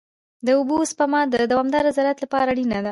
د اوبو سپما د دوامدار زراعت لپاره اړینه ده.